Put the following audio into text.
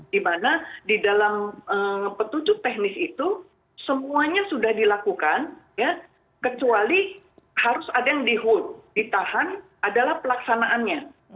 dimana di dalam petunjuk teknis itu semuanya sudah dilakukan kecuali harus ada yang di hold ditahan adalah pelaksanaannya